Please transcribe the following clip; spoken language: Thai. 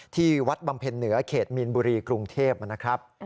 ที่วัดบำเพ็ญเหนือเขตมีนบุรีกรุงเทพนะครับ